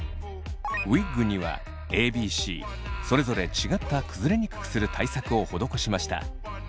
ウィッグにはＡＢＣそれぞれ違った崩れにくくする対策を施しました。